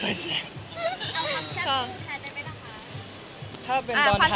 เอาความเจ็บสู้แทนได้ไหมนะคะ